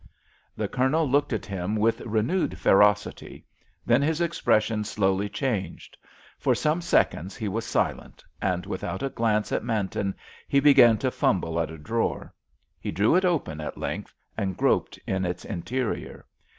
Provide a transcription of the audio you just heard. The Colonel looked at him with renewed ferocity, then his expression slowly changed. For some seconds he was silent, and, without a glance at Manton, he began to fumble at a drawer. He drew it open at length, and groped in its interior.